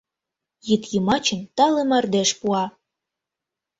Йӱдйымачын тале мардеж пуа.